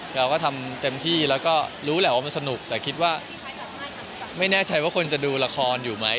เราก็ทำเต็มที่แล้วก็รู้แหละว่ามันสนุกแต่คิดว่าไม่แน่ใจว่าคนจะดูละครอยู่ไหม